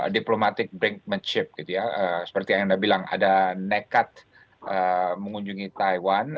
diplomatic brinkmanship seperti yang anda bilang ada nekat mengunjungi taiwan